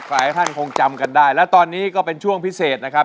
หลายท่านคงจำกันได้และตอนนี้ก็เป็นช่วงพิเศษนะครับ